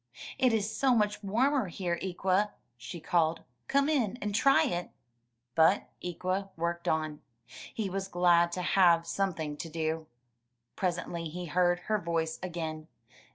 *'It is so much warmer here, Ikwa/' she called; come in and try it.*' But Ikwa worked on. He was glad to have some thing to do. Presently he heard her voice again.